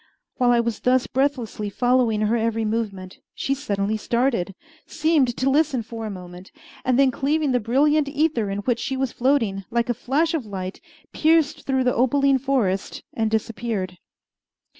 While I was thus breathlessly following her every movement, she suddenly started, seemed to listen for a moment, and then cleaving the brilliant ether in which she was floating, like a flash of light, pierced through the opaline forest and disappeared.